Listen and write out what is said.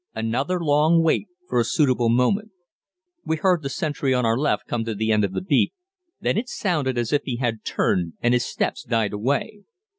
Another long wait for a suitable moment. We heard the sentry on our left come to the end of the beat, then it sounded as if he had turned and his steps died away.